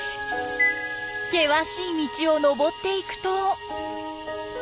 険しい道を登っていくと。